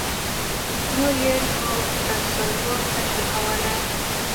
نور یې نو تصور نه شو کولای.